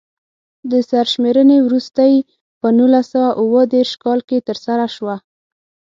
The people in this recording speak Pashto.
د سرشمېرنې وروستۍ په نولس سوه اووه دېرش کال کې ترسره شوه.